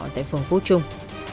tại phường phố trung